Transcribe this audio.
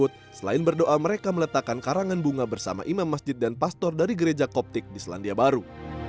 selain berdoa mereka meletakkan karangan bunga bersama imam masjid dan pastor dari gereja koptik di selandia baru